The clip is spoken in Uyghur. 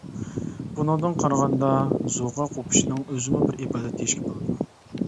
بۇنىڭدىن قارىغاندا زوغا قوپۇشنىڭ ئۆزىمۇ بىر ئىبادەت دېيىشكە بولىدۇ.